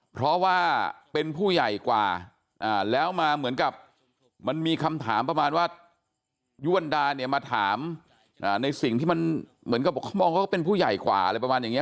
เพราะว่าเป็นผู้ใหญ่กว่าแล้วมาเหมือนกับมันมีคำถามประมาณว่ายุวันดาเนี่ยมาถามในสิ่งที่มันเหมือนกับเขามองเขาก็เป็นผู้ใหญ่กว่าอะไรประมาณอย่างนี้